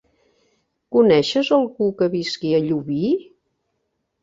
Coneixes algú que visqui a Llubí?